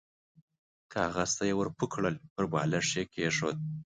کاغذ ته يې ور پوه کړل، پر بالښت يې کېښود.